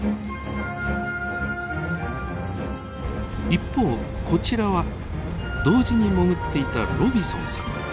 一方こちらは同時に潜っていたロビソンさん。